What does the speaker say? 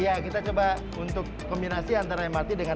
ya kita coba untuk kombinasi antara mrt dengan